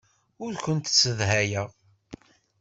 Ur kent-ssedhayeɣ.